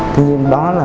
tuy nhiên đó là